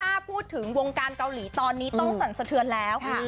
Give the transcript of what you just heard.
ถ้าพูดถึงวงการเกาหลีตอนนี้ต้องสั่นสะเทือนแล้ว